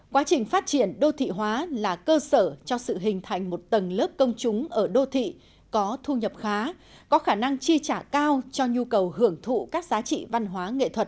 quá trình phát triển đô thị hóa là cơ sở cho sự hình thành một tầng lớp công chúng ở đô thị có thu nhập khá có khả năng chi trả cao cho nhu cầu hưởng thụ các giá trị văn hóa nghệ thuật